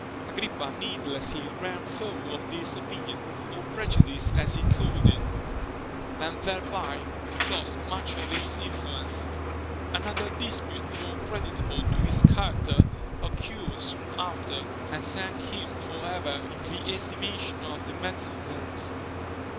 Agrippa needlessly ran foul of this opinion, or prejudice as he called it, and thereby lost much of his influence. Another dispute, more creditable to his character, occurred soon after, and sank him for ever in the estimation of the Metzians.